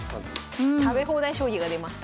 食べ放題将棋が出ました。